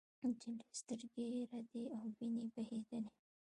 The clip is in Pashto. نجلۍ سترګې رډې او وینې بهېدلې.